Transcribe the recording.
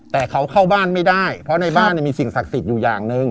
แต่เขาเข้าบ้านไม่ได้เพราะในบ้านมีสิ่งศักดิ์สิทธิ์อยู่อย่างหนึ่ง